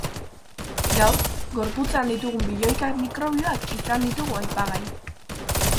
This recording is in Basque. Gaur, gorputzean ditugun biloika mikrobioak izan ditugu aipagai.